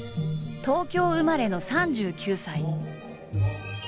東京生まれの３９歳。